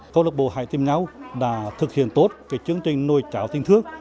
câu lạc bộ hãy tìm nhau đã thực hiện tốt cái chương trình nuôi cháo tinh thước